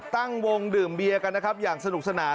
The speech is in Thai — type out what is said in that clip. ตั้งวงดื่มเบียร์กันนะครับอย่างสนุกสนาน